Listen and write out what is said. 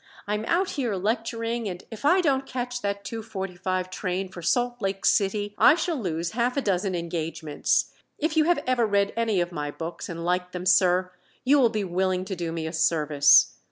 I am out here lecturing, and if I don't catch that two forty five train for Salt Lake City I shall lose half a dozen engagements. If you have ever read any of my books and liked them, sir, you will be willing to do me a service.